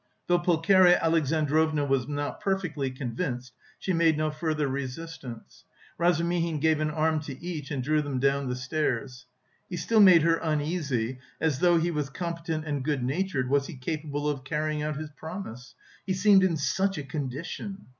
Though Pulcheria Alexandrovna was not perfectly convinced, she made no further resistance. Razumihin gave an arm to each and drew them down the stairs. He still made her uneasy, as though he was competent and good natured, was he capable of carrying out his promise? He seemed in such a condition....